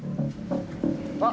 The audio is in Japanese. あ！